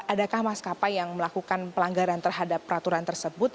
atau kemudian melakukan pelanggaran terhadap peraturan tersebut